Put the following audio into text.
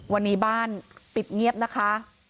วันนี้บ้านปิดเงียบนะคะ